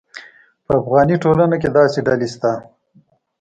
په افغاني ټولنه کې داسې ډلې شته.